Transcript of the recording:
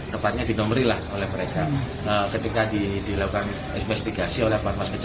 kepatnya dinomorilah oleh mereka